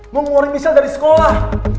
mau ngeluarin michelle dari sekolah